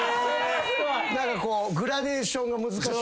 何かこうグラデーションが難しい。